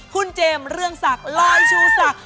คุณเจมส์เรืองศักดิ์ลอยชูศักดิ